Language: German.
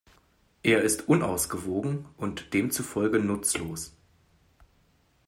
Er ist unausgewogen und demzufolge nutzlos.